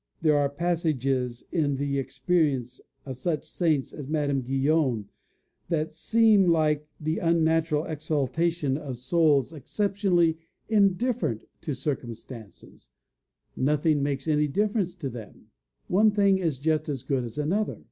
There are passages in the experience of such saints as Madame Guyon that seem like the unnatural exaltations of souls exceptionally indifferent to circumstances; nothing makes any difference to them; one thing is just as good as another.